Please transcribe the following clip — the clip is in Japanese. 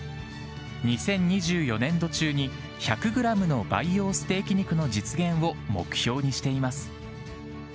２０２４年度中に１００グラムの培養ステーキ肉の実現を目標にしています。